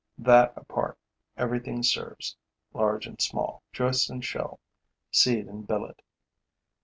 That apart, everything serves, large and small, joist and shell, seed and billet.